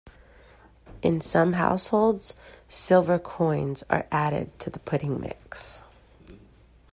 In some households, silver coins are added to the pudding mix.